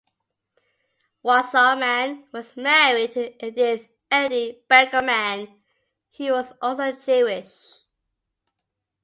Wasserman was married to Edith "Edie" Beckerman who was also Jewish.